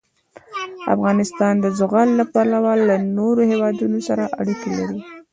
افغانستان د زغال له پلوه له نورو هېوادونو سره اړیکې لري.